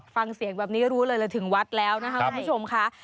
ฟังเสียงแบบนี้รู้เลยเลยถึงวัดแล้วนะคะคุณผู้ชมค่ะ